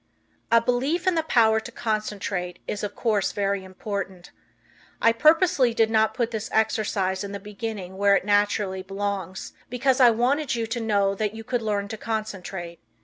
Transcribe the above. A belief in the power to concentrate is of course very important. I purposely did not put this exercise in the beginning where it naturally belongs because I wanted you to know that you could learn to concentrate.